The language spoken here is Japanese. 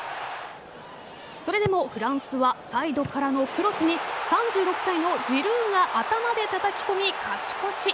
それでもフランスはサイドからのクロスに３６歳のジルーが頭でたたき込み、勝ち越し。